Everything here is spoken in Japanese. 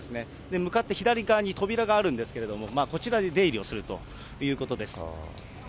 向かって左側に扉があるんですけれども、こちらで出入りをするということです。